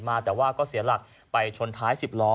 มาแต่ว่าก็เสียหลักไปชนท้าย๑๐ล้อ